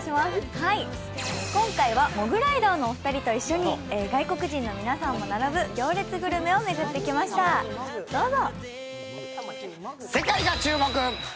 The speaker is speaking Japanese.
今回はモグライダーのお二人と一緒に外国人の皆さんも並ぶ行列グルメを巡ってきました、どうぞ。